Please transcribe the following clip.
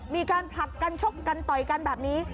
มีการผลักกันชกกันต่อยกันแบบนี้